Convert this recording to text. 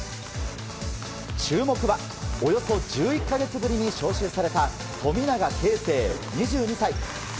注目はおよそ１１か月ぶりに招集された富永啓生、２２歳。